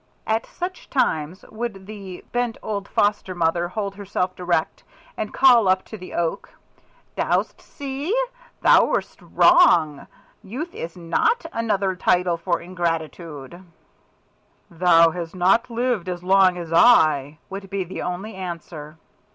At such times would the bent old foster mother hold herself erect, and call up to the Oak, "Dost see? Thou'rt wrong! Youth is not another title for Ingratitude." "Thou hast not lived as long as I," would be the only answer.